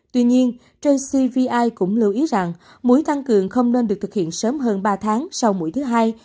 tuy nhiên jcvi cũng lưu ý rằng muối tăng cường không nên được thực hiện sớm hơn ba tháng sau mũi thứ hai